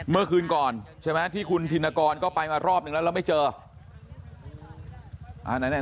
เพราะว่ามันเหิมเกิมมากไอ้กะสือตัวนี้